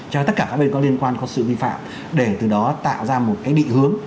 cho tất cả các bên có liên quan có sự vi phạm để từ đó tạo ra một cái định hướng